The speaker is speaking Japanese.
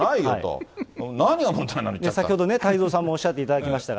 先ほど太蔵さんにもおっしゃっていただきましたが。